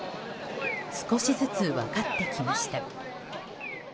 少しずつ分かってきました。